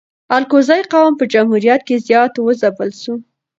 الکوزي قوم په جمهوریت کی زیات و ځپل سو